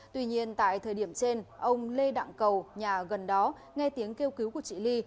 tuy nhiên tại thời điểm trên ông lê đặng cầu nhà gần đó nghe tiếng kêu cứu của chị ly